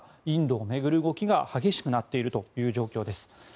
インドを巡る動きが激しくなっている状況です。